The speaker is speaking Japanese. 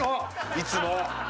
いつも！